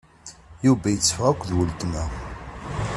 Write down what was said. Yuba iteffeɣ akked weltma.